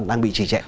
đang bị trì chạy